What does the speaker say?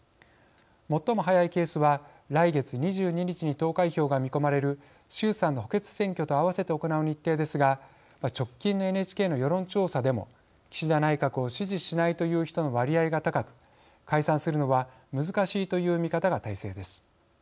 最も早いケースは来月２２日に投開票が見込まれる衆参の補欠選挙と合わせて行う日程ですが直近のＮＨＫの世論調査でも岸田内閣を支持しないという人の割合が高く解散するのは難しいという見方が大勢です。